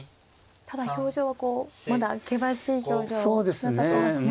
ただ表情はこうまだ険しい表情をなさってますね。